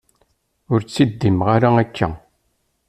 Ur ttiddimeɣ ara akka.